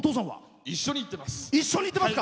一緒に行っています。